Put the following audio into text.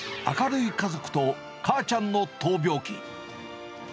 明るい家族と母ちゃんの闘病記。